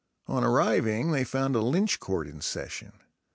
On arriving they found a lynch court in session.